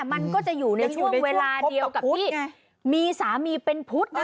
มันก็จะอยู่ในช่วงเวลาเดียวกับที่มีสามีเป็นพุทธ